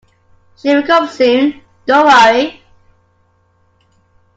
She’ll wake up soon, don't worry